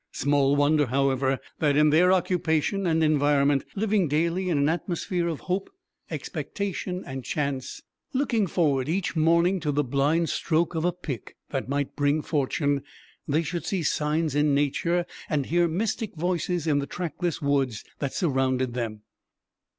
Small wonder, however, that in their occupation and environment living daily in an atmosphere of hope, expectation, and chance, looking forward each morning to the blind stroke of a pick that might bring fortune they should see signs in nature and hear mystic voices in the trackless woods that surrounded them.